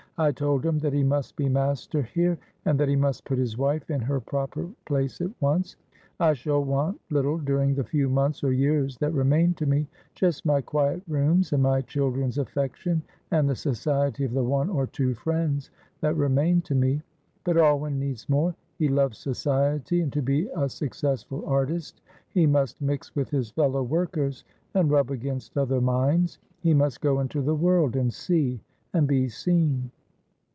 I told him that he must be master here, and that he must put his wife in her proper place at once. I shall want little during the few months or years that remain to me. Just my quiet rooms and my children's affection and the society of the one or two friends that remain to me. But Alwyn needs more. He loves society, and to be a successful artist he must mix with his fellow workers, and rub against other minds. He must go into the world and see and be seen."